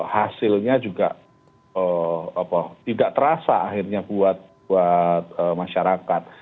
hasilnya juga tidak terasa akhirnya buat masyarakat